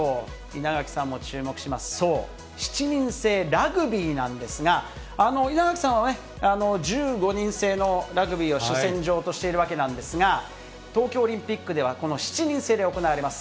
稲垣さんも注目します、そう、７人制ラグビーなんですが、稲垣さんは、１５人制のラグビーを主戦場としているわけなんですが、東京オリンピックでは、この７人制で行われます。